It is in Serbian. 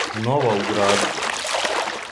Нова у граду?